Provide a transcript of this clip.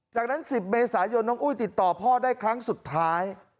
จากนั้น๑๐เมษายนน้องอุ้ยติดต่อพ่อได้ครั้งสุดท้าย